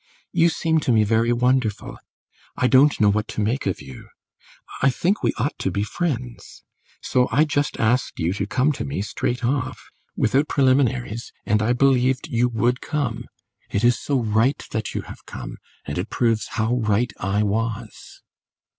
You seem to me very wonderful. I don't know what to make of you. I think we ought to be friends; so I just asked you to come to me straight off, without preliminaries, and I believed you would come. It is so right that you have come, and it proves how right I was."